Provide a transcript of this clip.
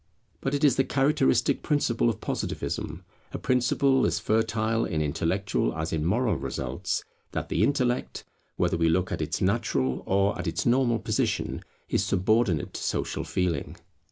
But it is the characteristic principle of Positivism, a principle as fertile in intellectual as in moral results, that the Intellect, whether we look at its natural or at its normal position, is subordinate to Social Feeling.